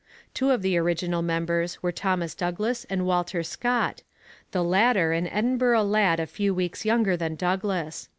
Two of the original members were Thomas Douglas and Walter Scott, the latter an Edinburgh lad a few weeks younger than Douglas.